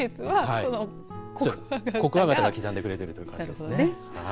コクワガタが季節を刻んでくれているということです。